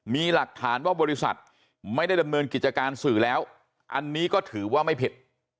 มีหลักฐานว่าบริษัทไม่ได้ดำเนินกิจการสื่อแล้วอันนี้ก็ถือว่าไม่ผิด